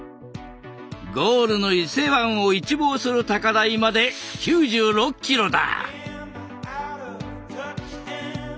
ゴールの伊勢湾を一望する高台まで９６ｋｍだ。